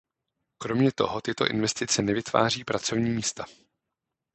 Kromě toho tyto investice nevytváří pracovní místa.